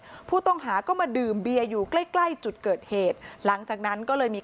ผู้ต้องหาก็มาดื่มเบียร์อยู่ใกล้ใกล้จุดเกิดเหตุหลังจากนั้นก็เลยมี